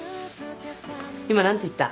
今何て言った？